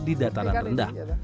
di dataran rendah